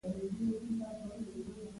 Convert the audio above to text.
هڅه یې کړې ده چې اسلامي امت لرې وساتي.